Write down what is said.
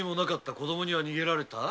子供にも逃げられた？